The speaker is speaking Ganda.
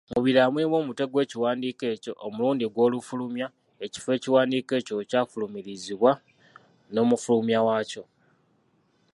Mu birala mulimu omutwe gw’ekiwandiiko ekyo, omulundi gw’olufulumya, ekifo ekiwandiiko ekyo we kyafulumiririzibwa, n'omufulumya waakyo.